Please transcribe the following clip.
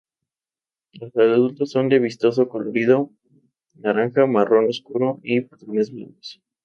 Los adultos son de vistoso colorido, naranja, marrón oscuro y patrones blancos.